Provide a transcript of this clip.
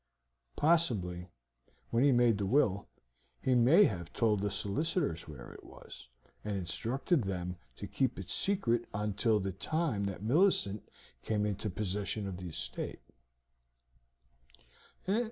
"Possibly, when he made the will, he may have told the solicitors where it was, and instructed them to keep it secret until the time that Millicent came into possession of the estate."